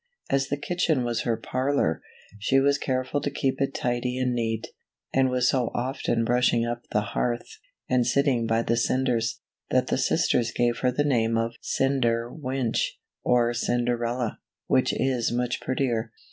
As the kitchen was her parlor, she was careful to keep it tidy and neat, and was so often brushing up the hearth, and sitting by the cinders, that the sisters gave her the name of Cinder wench , or Cinderella, which is much prettier.